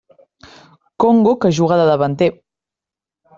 Congo que juga de davanter.